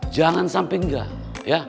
jangan sampai enggak ya